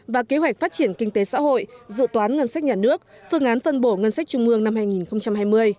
và kế hoạch phát triển kinh tế xã hội dự toán ngân sách nhà nước phương án phân bổ ngân sách trung ương năm hai nghìn hai mươi